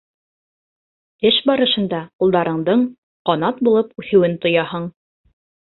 Эш барышында ҡулдарыңдың ҡанат булып үҫеүен тояһың.